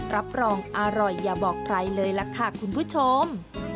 รับรองอร่อยอย่าบอกใครเลยล่ะค่ะคุณผู้ชม